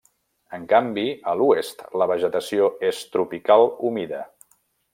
En canvi a l'oest la vegetació és tropical humida.